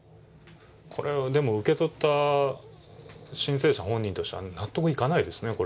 これは、でも、受け取った申請者本人としては納得がいかないですね。